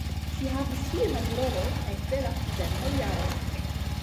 Ŝi havis filmajn rolojn ekde la studentaj jaroj.